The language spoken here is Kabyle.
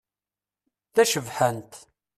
Tacebḥant.